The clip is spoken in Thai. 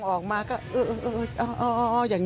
มีมนุษยสัมพันธ์ที่ดีกับประชาชนทุกคน